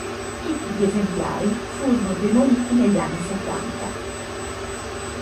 Tutti gli esemplari furono demoliti negli anni settanta.